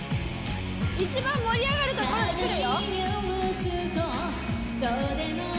一番盛り上がるところで来るよ。